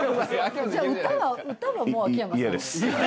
じゃあ歌は歌は秋山さんで。